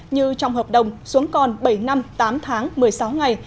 như trong hợp đồng xuống còn bảy năm tám tháng một mươi sáu ngày